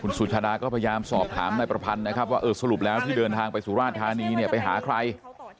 สุชาดาก็พยายามสอบถามนายประพันธ์นะครับว่าเออสรุปแล้วที่เดินทางไปสุราชธานีเนี่ยไปหาใคร